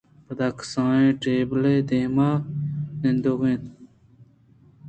پدا کسانیں ٹیبلے ءِ دیم ءَ نندوک اِت اَنت